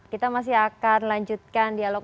kita masih akan lanjutkan dialog